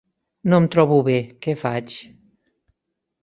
No em trobo bé, què faig?